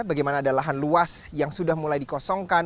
bagaimana ada lahan luas yang sudah mulai dikosongkan